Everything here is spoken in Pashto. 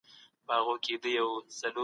د سياسي چارو پوهه د هر وګړي لپاره اړينه ده.